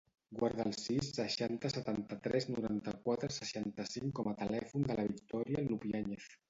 Guarda el sis, seixanta, setanta-tres, noranta-quatre, seixanta-cinc com a telèfon de la Victòria Lupiañez.